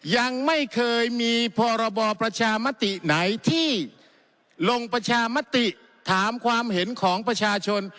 ยังไม่เคยมีพรบประชามติไหนที่ลงประชามติถามความเห็นของประชาชน